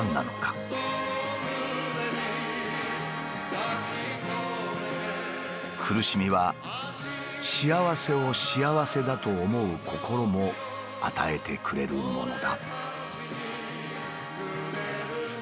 僕の心の中では「苦しみは幸せを幸せだと思う心も与えてくれるものだ」。